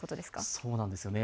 そうなんですよね。